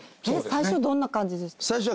最初どんな感じですか？